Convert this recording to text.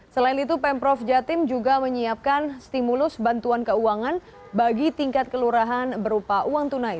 selain itu pemprov jatim juga menyiapkan stimulus bantuan keuangan bagi tingkat kelurahan berupa uang tunai